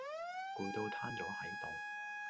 攰到攤左係度